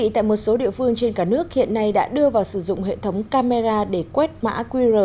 tại một số địa phương trên cả nước hiện nay đã đưa vào sử dụng hệ thống camera để quét mã qr